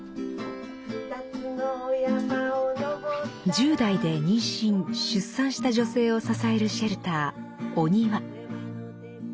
１０代で妊娠・出産した女性を支えるシェルターおにわ。